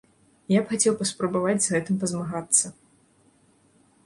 Я б хацеў паспрабаваць з гэтым пазмагацца.